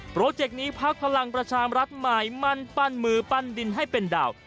เจกต์นี้พักพลังประชามรัฐหมายมั่นปั้นมือปั้นดินให้เป็นดาว